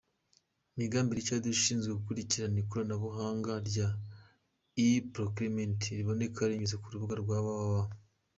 Migambi Richard ushinzwe gukurikirana ikoranabuhanga rya e-procurement riboneka unyuze ku rubuga www.